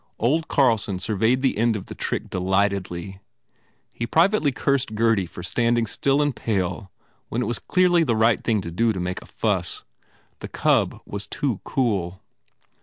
Old Carlson surveyed the end of the trick delightedly. He privately cursed Gurdy for standing still and pale when it was clearly the right thing to make a fuss. The cub was too cool.